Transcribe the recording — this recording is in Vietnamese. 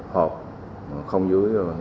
họp không dưới